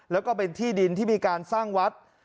แล้วก็เป็นที่ดินที่มีการสร้างวัด